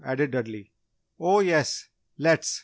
added Dudley. "Oh, yes, let's!